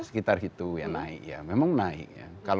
sekitar itu ya naik ya memang naik ya